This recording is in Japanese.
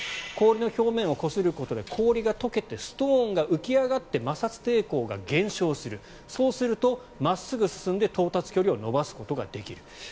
氷の表面をこすることで氷が解けてストーンが浮き上がって摩擦抵抗が減少するそうすると真っすぐ進んで到達距離を伸ばすことができる。